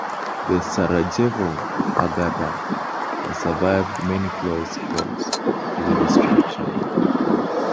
The Sarajevo Haggadah has survived many close calls with destruction.